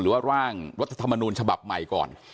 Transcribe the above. หรือว่าร่างรัฐธรรมนูลฉบับใหม่ก่อน